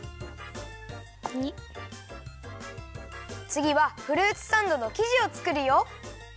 つぎはフルーツサンドのきじをつくるよ。